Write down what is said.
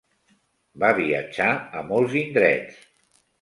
Va viatjar a molts indrets.